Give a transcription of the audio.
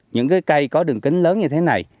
những cây có đường kính lớn như thế này